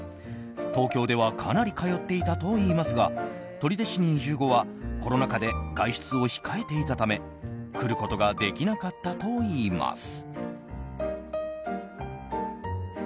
東京ではかなり通っていたといいますが取手市に移住後は、コロナ禍で外出を控えていたため来ることができなかったといいます。